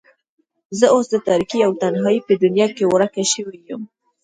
زه اوس د تاريکۍ او تنهايۍ په دنيا کې ورکه شوې يم.